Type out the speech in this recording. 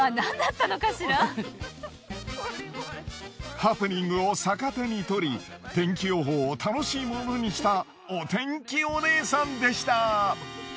ハプニングを逆手にとり天気予報を楽しいものにしたお天気お姉さんでした！